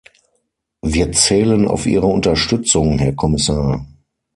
Wir zählen auf Ihre Unterstützung, Herr Kommissar.